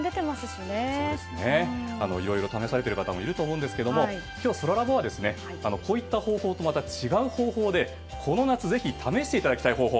いろいろ試されている方もいると思うんですが今日、そらラボはこういった方法と違う方法でこの夏ぜひ試していただきたい方法。